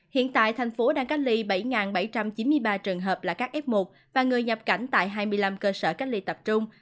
hiện tại thành phố đang cách ly bảy bảy trăm chín mươi ba trường hợp là các f một và người nhập cảnh tại hai mươi năm cơ sở cách ly tập trung